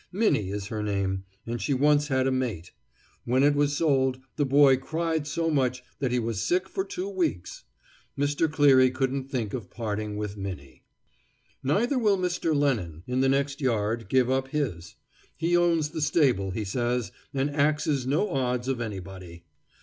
Minnie is her name, and she once had a mate. When it was sold, the boy cried so much that he was sick for two weeks. Mr. Cleary couldn't think of parting with Minnie. Neither will Mr. Lennon, in the next yard, give up his. He owns the stable, he says, and axes no odds of anybody.